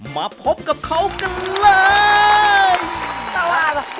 มาพบกับเข้ากันเลย